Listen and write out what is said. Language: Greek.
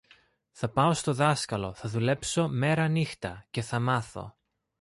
Θα πάω στο δάσκαλο, θα δουλέψω μέρανύχτα, και θα μάθω!